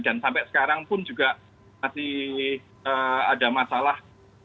dan sampai sekarang pun juga masih ada masalah